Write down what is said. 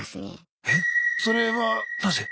えっそれはなぜ？